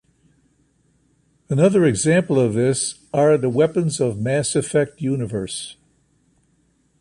Another example of this are the weapons of the Mass Effect universe.